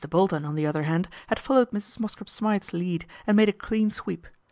Bolton, on the other hand, had followed Mrs. Mosscrop Smythe's lead, and made a clean sweep.